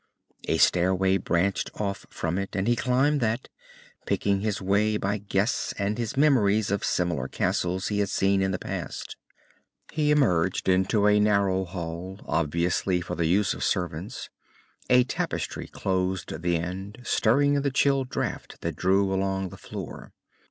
A stairway branched off from it, and he climbed that, picking his way by guess and his memories of similar castles he had seen in the past. He emerged into a narrow hall, obviously for the use of servants. A tapestry closed the end, stirring in the chill draught that blew along the floor.